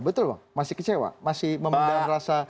betul bang masih kecewa masih memandang rasa